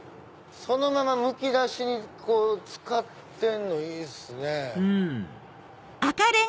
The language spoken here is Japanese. そのままむき出しに使ってんのいいっすね。